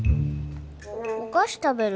お菓子食べる。